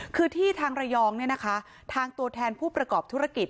คือที่ทางระยองเนี่ยนะคะทางตัวแทนผู้ประกอบธุรกิจ